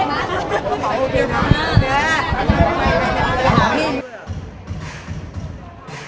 ไม่รู้รู้หรือภายใจ